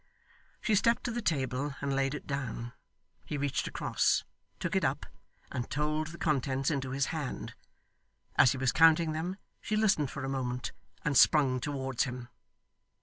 She stepped to the table and laid it down. He reached across, took it up, and told the contents into his hand. As he was counting them, she listened for a moment, and sprung towards him.